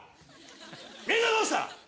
みんなどうした！